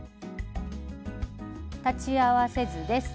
裁ち合わせ図です。